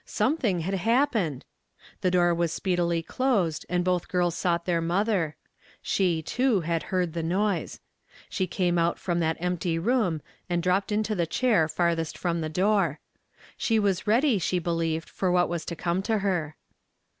Something had happened ! The door was speedily closed, and both girls sought their mother. Slie, too, had heard the noise. She came out from that empty room, and dropped into the chair farthest from the door. She was ready, she believed, for what was to come to her.